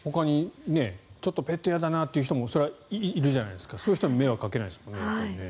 ちょっとペット嫌だなという人もそれはいるじゃないですかそういう人にも迷惑をかけないですもんね。